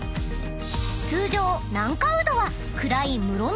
［通常］